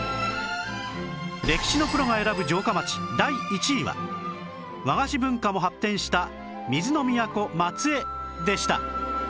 歴史のプロが選ぶ城下町第１位は和菓子文化も発展した水の都松江でした